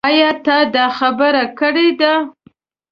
ايا تا دا خبره کړې ده ؟